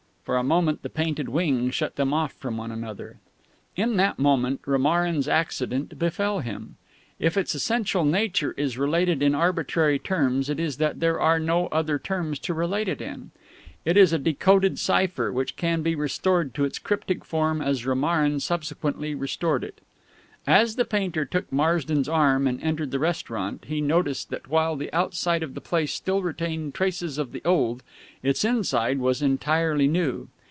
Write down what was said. For a moment the painted "wing" shut them off from one another. In that moment Romarin's accident befell him. If its essential nature is related in arbitrary terms, it is that there are no other terms to relate it in. It is a decoded cipher, which can be restored to its cryptic form as Romarin subsequently restored it. As the painter took Marsden's arm and entered the restaurant, he noticed that while the outside of the place still retained traces of the old, its inside was entirely new.